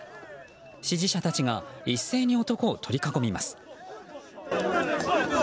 支持者たちが一斉に男を取り囲みます。